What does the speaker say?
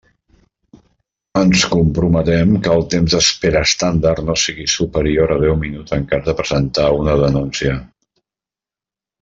Ens comprometem que el temps d'espera “estàndard” no sigui superior a deu minuts en cas de presentar una denúncia.